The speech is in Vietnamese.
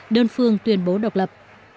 đơn phương tuyên bố độc lập